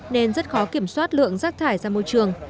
nên rất khó kiểm soát lượng rác thải ra môi trường